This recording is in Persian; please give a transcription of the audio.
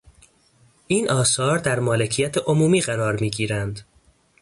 این آثار در مالکیت عمومی قرار میگیرند.